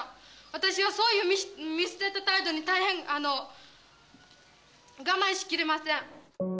私はそういう見捨てた態度に、大変我慢しきれません。